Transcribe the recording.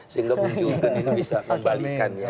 sehingga pun juga ini bisa kembalikan ya